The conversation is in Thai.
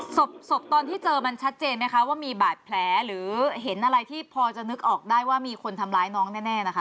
ศพตอนที่เจอมันชัดเจนไหมคะว่ามีบาดแผลหรือเห็นอะไรที่พอจะนึกออกได้ว่ามีคนทำร้ายน้องแน่นะคะ